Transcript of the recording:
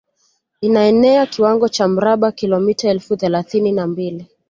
Inaenea kiwango cha mraba kilometa elfu thelathini na mbili